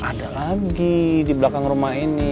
ada lagi di belakang rumah ini